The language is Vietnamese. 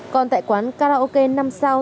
còn tại quán carlocke năm sao